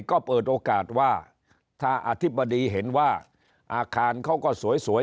ก็เปิดโอกาสว่าถ้าอธิบดีเห็นว่าอาคารเขาก็สวย